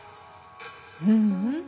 ううん。